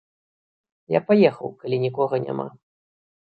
Я паехаў, калі нікога няма.